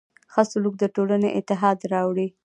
ښه سلوک د ټولنې اتحاد راوړي.